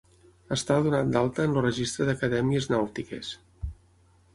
Estar donat d'alta en el Registre d'acadèmies nàutiques.